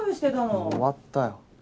もう終わったよ。